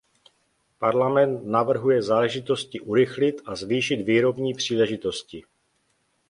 Parlament navrhuje záležitosti urychlit a zvýšit výrobní příležitosti.